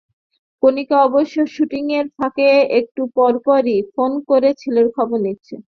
কারিনা অবশ্য শুটিংয়ের ফাঁকে একটু পরপরই ফোন করে ছেলের খবর নিচ্ছেন।